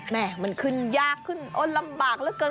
แหมมันขึ้นยากขึ้นลำบากเกิน